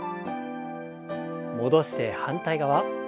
戻して反対側。